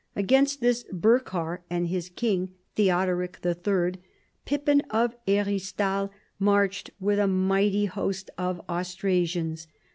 Against this Berchar and his king, Theodoric III., Pippin of Heristal marched with a mighty host of Austra sians.